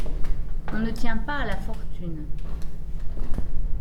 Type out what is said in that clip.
On ne tient pas à la fortune.